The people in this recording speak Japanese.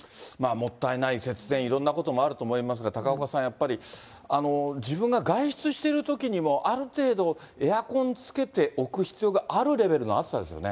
もったいない、節電、いろいろあると思いますが、高岡さん、やっぱり自分が外出してるときにも、ある程度、エアコンつけておく必要があるレベルの暑さですよね。